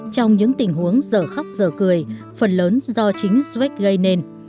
trong những tình huống giờ khóc giờ cười phần lớn do chính sve gây nên